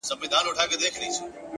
o هغې ويل ه نور دي هيڅ په کار نه لرم؛